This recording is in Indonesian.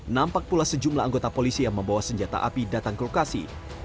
nampak pula sejumlah anggota polisi yang membawa senjata api datang ke lokasi